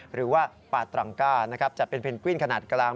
หรือว่าปาตรังกาจะเป็นเพนกวินขนาดกลาง